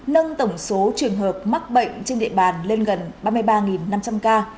nâng tổng số trường hợp mắc bệnh trên địa bàn lên gần ba mươi ba năm trăm linh ca